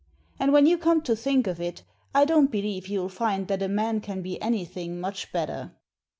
And when you come to think of it, I don't believe you'll find that a man can be anything much better."